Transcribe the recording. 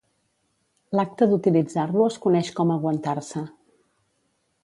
L'acte d'utilitzar-lo es coneix com aguantar-se.